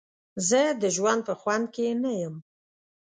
زه د ژوند په خوند کې نه یم.